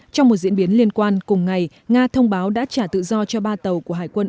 trong một diễn biến liên quan cùng ngày nga thông báo đã trả tự do cho ba tàu của hải quân